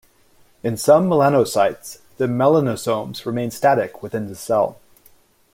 In some melanocytes, the melanosomes remain static within the cell.